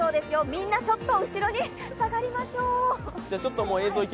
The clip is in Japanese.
みんなちょっと後ろに下がりましょう。